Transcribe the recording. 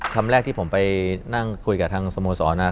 คำแรกที่ผมไปนั่งคุยกับทางสโมสรนะ